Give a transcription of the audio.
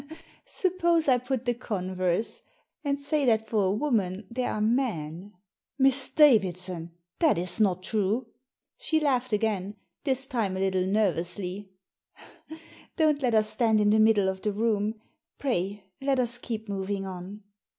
Suppose I put the converse, and say that for a woman there are men." " Miss Davidson I That is not true !" She laughed again, this time a little nervously. " Don't let us stand in the middle of the room. Pray let us keep moving on."